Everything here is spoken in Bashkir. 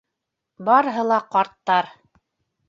Барыһы ла ҡарттар.